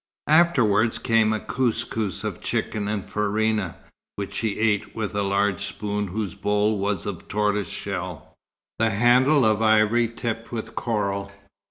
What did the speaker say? Afterwards came a kouskous of chicken and farina, which she ate with a large spoon whose bowl was of tortoiseshell, the handle of ivory tipped with coral.